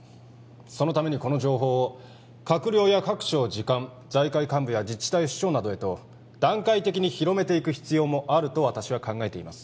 そのためにこの情報を閣僚や各省次官財界幹部や自治体首長などへと段階的に広めていく必要もあると私は考えています